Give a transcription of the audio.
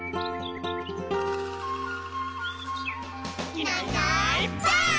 「いないいないばあっ！」